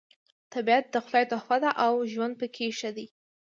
طبیعت د خدای تحفه ده او ژوند پکې ښه دی